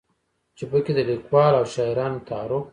چې پکې د ليکوالو او شاعرانو تعارف